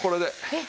えっ！